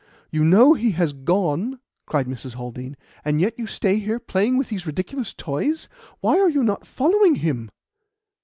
"You know he has gone," cried Mrs. Haldean, "and yet you stay here playing with these ridiculous toys. Why are you not following him?"